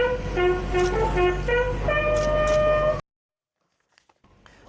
อืม